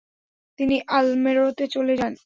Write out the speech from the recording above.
তিনি আলমোরাতে চলে যান।